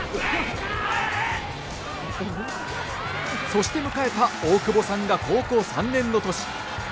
そして迎えた大久保さんが高校３年の年。